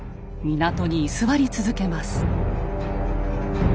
港に居座り続けます。